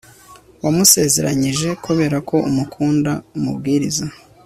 wamusezeranyije kubera ko umukunda umubwiriza